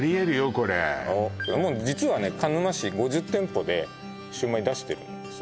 これもう実はね鹿沼市５０店舗でシュウマイ出してるんですよ